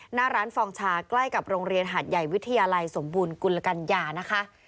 หน้าร้านฟองชาใกล้กับโรงเรียนหาดใหญ่วิทยาลัยสมบูรณกุลกัญญานะคะ